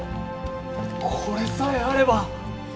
これさえあれば。